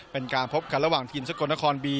เป็นการพบกันระหว่างทีมสกลนครบี